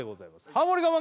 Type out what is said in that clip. ハモリ我慢